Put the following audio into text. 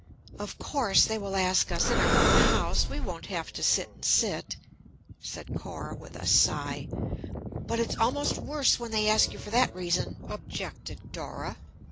"Of course they will ask us, in our own house; we won't have to sit and sit," said Cora with a sigh. "But it's almost worse when they ask you for that reason," objected Dora.